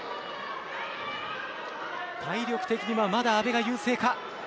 体力的にはまだ阿部が優勢か。